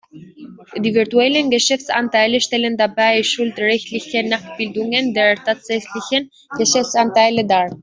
Die virtuellen Geschäftsanteile stellen dabei schuldrechtliche Nachbildungen der tatsächlichen Geschäftsanteile dar.